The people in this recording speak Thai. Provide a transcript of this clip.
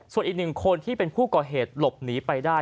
ส่วนอีกหนึ่งคนที่เป็นผู้ก่อเหตุหลบหนีไปได้